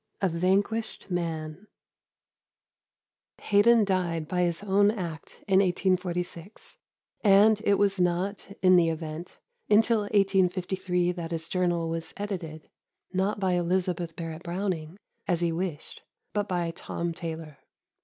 A VANQUISHED MAN Haydon died by his own act in 1846, and it was not, in the event, until 1853 that his journal was edited, not by Elizabeth Barrett Browning, as he wished, but by Tom Taylor.